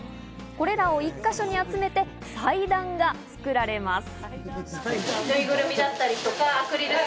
これらを１か所に集めて祭壇が作られます。